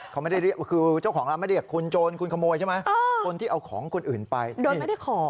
เขาไม่ได้เรียกคือเจ้าของร้านไม่ได้เรียกคุณโจรคุณขโมยใช่ไหมคนที่เอาของคนอื่นไปนี่ไม่ได้ขอ